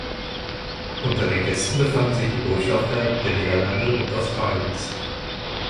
Unter den Gästen befanden sich die Botschafter der Niederlande und Australiens.